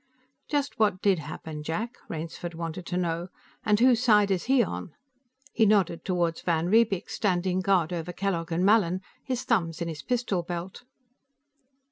"Just what did happen, Jack?" Rainsford wanted to know. "And whose side is he on?" He nodded toward van Riebeek, standing guard over Kellogg and Mallin, his thumbs in his pistol belt.